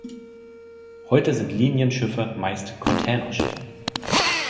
Heute sind Linienschiffe meist Containerschiffe.